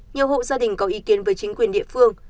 nhiều hộ gia đình có ý kiến với chính quyền địa phương